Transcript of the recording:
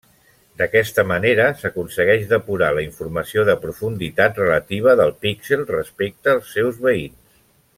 D'aquesta manera s'aconsegueix depurar la informació de profunditat relativa del píxel respecte als seus veïns.